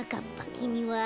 きみは？